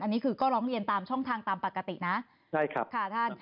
อันนี้คือก็ร้องเรียนตามช่องทางตามปกตินะใช่ครับค่ะท่าน